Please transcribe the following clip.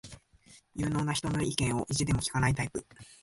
有能な人の意見を意地でも聞かないタイプ